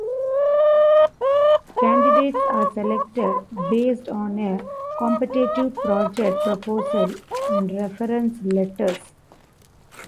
Candidates are selected based on a competitive project proposal and reference letters.